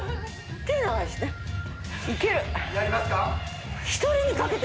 いける。